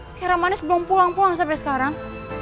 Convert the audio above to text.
secara manis belum pulang pulang sampai sekarang